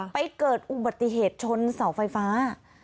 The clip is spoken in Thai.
เกิดอุบัติเหตุชนเสาไฟฟ้า